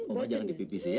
oma jangan di pipisi ya